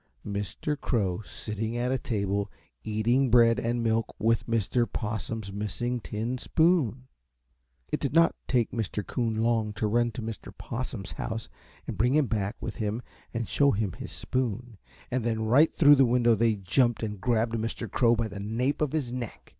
Mr. Crow sitting at a table eating bread and milk with Mr. Possum's missing tin spoon. It did not take Mr. Coon long to run to Mr. Possum's house and bring him back with him and show him his spoon, and then right through the window they jumped and grabbed Mr. Crow by the nape of his neck.